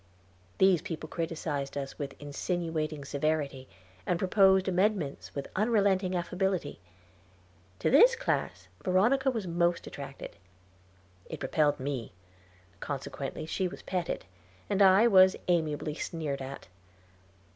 These people criticised us with insinuating severity, and proposed amendments with unrelenting affability. To this class Veronica was most attracted it repelled me; consequently she was petted, and I was amiably sneered at.